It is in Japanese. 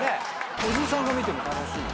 おじさんが見ても楽しい？